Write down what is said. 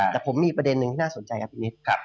แต่ผมมีประเด็นหนึ่งที่น่าสนใจครับพี่นิด